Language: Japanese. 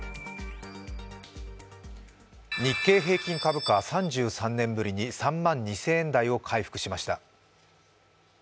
日経平均株価３３年ぶりに３万２０００円台を回復しました。